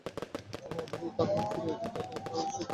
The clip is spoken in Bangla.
আর যদি তারা মুখ ফিরিয়ে নেয়, তবে তারা নিশ্চয়ই বিরুদ্ধভাবাপন্ন।